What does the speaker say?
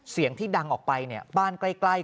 เสียงที่ดังออกไปเนี่ยบ้านใกล้